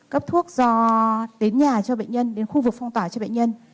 cấp thuốc do đến nhà cho bệnh nhân đến khu vực phong tỏa cho bệnh nhân